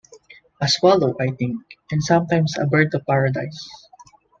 A swallow, I think, and sometimes a bird of paradise.